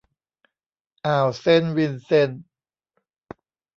อ่าวเซนต์วินเซนต์